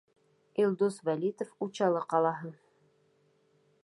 Илдус ВӘЛИТОВ, Учалы ҡалаһы: